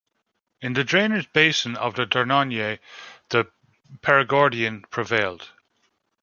In the drainage basin of the Dordogne, the Perigordian prevailed.